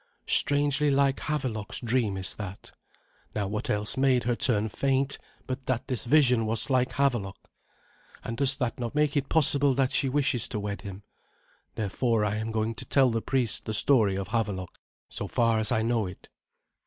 Strangely like Havelok's dream is that. Now what else made her turn faint but that this vision was like Havelok? And does not that make it possible that she wishes to wed him? Therefore I am going to tell the priest the story of Havelok, so far as I know it."